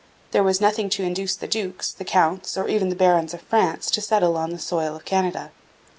There was nothing to induce the dukes, the counts, or even the barons of France to settle on the soil of Canada.